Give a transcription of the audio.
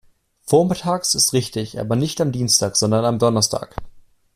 Vormittags ist richtig, aber nicht am Dienstag, sondern am Donnerstag.